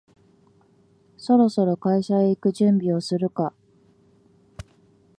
そろそろ会社へ行く準備をするか